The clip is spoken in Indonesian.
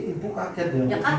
ibu kaget dong